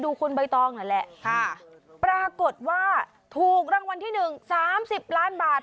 คุณใบตองนั่นแหละค่ะปรากฏว่าถูกรางวัลที่หนึ่งสามสิบล้านบาท